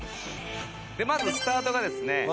まずスタートがですね